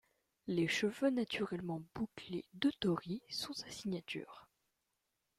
Les cheveux naturellement bouclés de Tori sont sa signature.